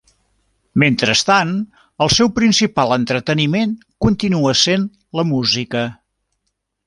Mentrestant, el seu principal entreteniment continua sent la música.